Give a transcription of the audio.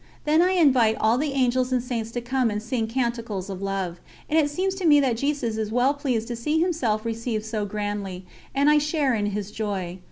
Then I invite all the Angels and Saints to come and sing canticles of love, and it seems to me that Jesus is well pleased to see Himself received so grandly, and I share in His joy.